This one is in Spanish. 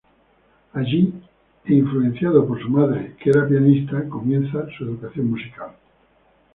Allí, e influenciado por su madre, que era pianista, comienza su educación musical.